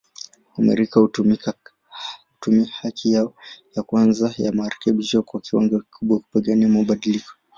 Wamarekani hutumia haki yao ya kwanza ya marekebisho kwa kiwango kikubwa, kupigania mabadiliko.